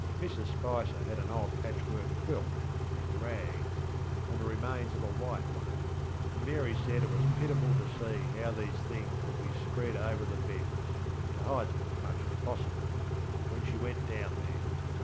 Mrs Spicer had an old patchwork quilt, in rags, and the remains of a white one, and Mary said it was pitiful to see how these things would be spread over the bedsŌĆö to hide them as much as possibleŌĆöwhen she went down there.